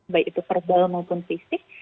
baik itu verbal maupun fisik